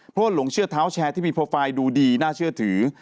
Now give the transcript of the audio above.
เพราะว่าหลงเชื่อเท้าแชร์ที่มีโปรไฟล์ดูดีน่าเชื่อถือ